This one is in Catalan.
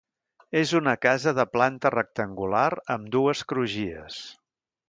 És una casa de planta rectangular amb dues crugies.